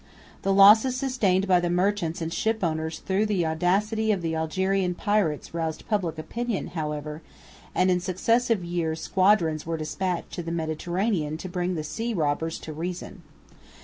The losses sustained by the merchants and ship owners through the audacity of the Algerian pirates roused public opinion, however; and in successive years squadrons were despatched to the Mediterranean to bring the sea robbers to reason.